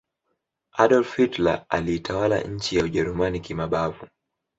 Adolf Hilter aliitawala nchi ya ujerumani kimabavu